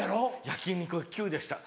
焼き肉は９でした。